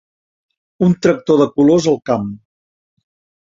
Un tractor de colors al camp.